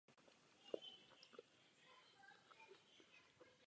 Opět byl pozměněn vzhled.